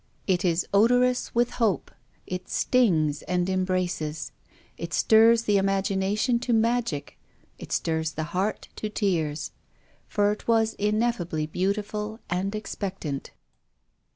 It is odorous with hope. It stings and embraces. It stirs the imagination to "WILLIAM FOSTER. iSl maG:Ic. It stirs the heart to tears. For it is ineffably beautiful and expectant.